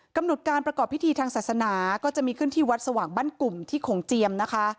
กำหนดการประกอบพิธีทางศาสนาก็จะมีขึ้นที่วัดสว่างบ้านกลุ่มที่โขงเจียมนะคะ